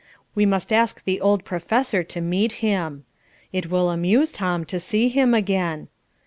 We must ask the old professor to meet him. It will amuse Tom to see him again.